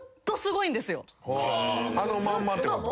あのまんまってこと？